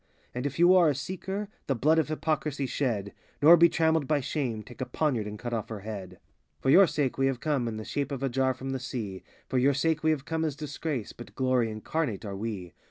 And if you are a seeker, the blood of Hypocrisy shed: Nor be trammeled by Shame—take a poniard and cut off her head. 87 For your sake we have come In the shape of a jar from the Sea; For your sake we have come as Disgrace. But glory incarnate are we.